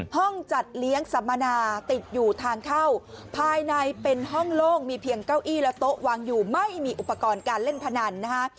ห้องจัดเลี้ยงสัมมนาติดอยู่ทางเข้าภายในเป็นห้องโล่งมีเพียงเก้าอี้และโต๊ะวางอยู่ไม่มีอุปกรณ์การเล่นพนันนะคะ